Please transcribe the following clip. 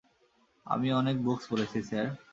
আমি অনেক বুকস পড়েছি, স্যার।